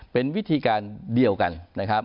เป็นวิธีการเดียวกันนะครับ